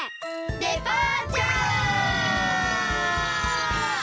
デパーチャー！